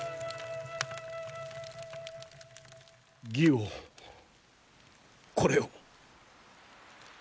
妓王これを。